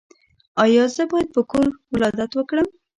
ایا زه باید په کور ولادت وکړم؟